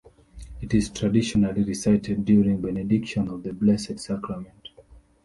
It is traditionally recited during Benediction of the Blessed Sacrament.